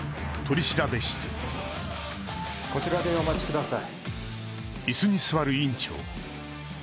こちらでお待ちください。